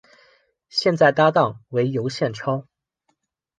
现在搭档为尤宪超。